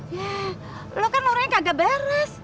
ya lu kan orangnya kagak beres